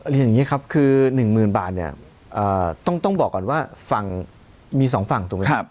เรียนอย่างนี้ครับคือ๑หมื่นบาทเนี่ยต้องบอกก่อนว่าฝั่งมี๒ฝั่งตรงนี้